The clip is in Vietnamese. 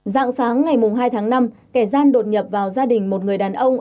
dạng sáng ngày hai tháng năm kẻ gian đột nhập vào gia đình một người đàn ông